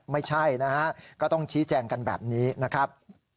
ไม่ใช่นะฮะก็ต้องชี้แจงกันแบบนี้นะครับ